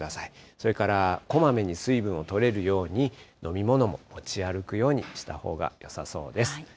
それからこまめに水分をとれるように、飲み物を持ち歩くようにしたほうがよさそうです。